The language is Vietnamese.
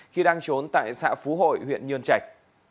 khi đang trốn tại xã phú hội huyện nhơn trạch